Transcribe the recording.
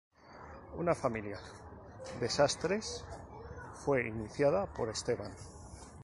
Una familia de sastres fue iniciada por Esteban.